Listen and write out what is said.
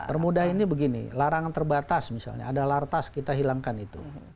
permudah ini begini larangan terbatas misalnya ada lartas kita hilangkan itu